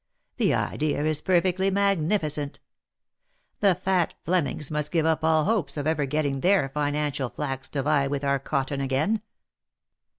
The idea is perfectly magnificent ! The fat Flemings must give up all hopes of ever getting their finical flax to vie with our cotton again